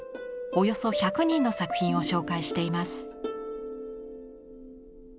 およそ１００人の作品を紹介しています。